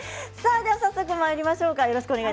早速、まいりましょう。